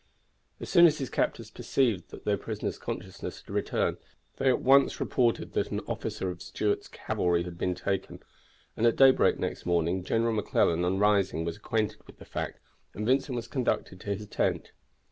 As soon as his captors perceived that their prisoner's consciousness had returned they at once reported that an officer of Stuart's cavalry had been taken, and at daybreak next morning General McClellan on rising was acquainted with the fact, and Vincent was conducted to his tent.